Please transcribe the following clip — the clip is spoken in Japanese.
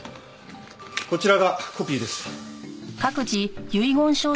こちらがコピーです。